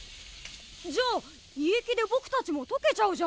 じゃあ胃液でボクたちも溶けちゃうじゃん。